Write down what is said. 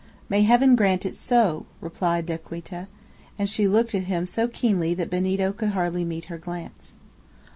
"May heaven grant it so!" replied Yaquita, and she looked at him so keenly that Benito could hardly meet her glance.